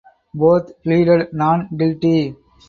Both pleaded non guilty.